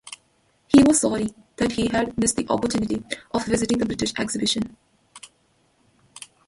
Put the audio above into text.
He was sorry that he had missed the opportunity of visiting the British exhibition.